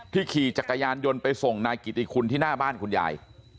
ขี่จักรยานยนต์ไปส่งนายกิติคุณที่หน้าบ้านคุณยาย